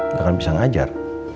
gak akan bisa ngajar